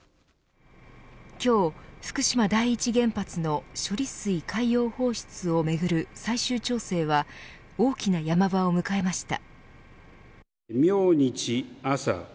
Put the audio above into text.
今日、福島第一原発の処理水海洋放出をめぐる最終調整は大きなヤマ場を迎えました。